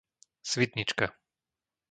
Svidnička